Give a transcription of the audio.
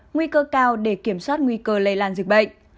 nguy cơ cao để kiểm soát nguy cơ lây lan dịch bệnh